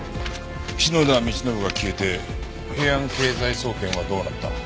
篠田道信が消えて平安経済総研はどうなった？